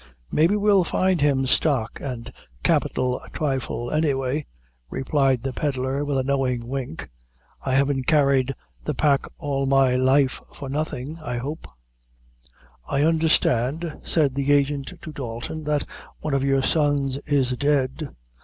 "May be, we'll find him stock and capital a thrifle, any way," replied the Pedlar with a knowing wink. "I haven't carried the pack all my life for nothing, I hope." "I understand," said the agent to Dalton, "that one of your sons is dead.